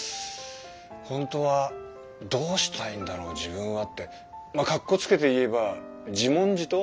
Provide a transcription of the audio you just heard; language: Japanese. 「ほんとはどうしたいんだろう自分は」ってまあかっこつけて言えば自問自答？